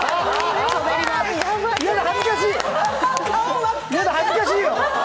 嫌だ、恥ずかしい！